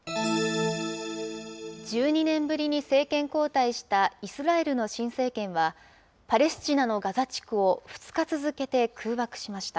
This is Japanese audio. １２年ぶりに政権交代したイスラエルの新政権は、パレスチナのガザ地区を２日続けて空爆しました。